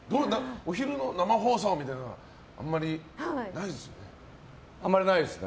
お昼の生放送みたいなのはあまりないですよね？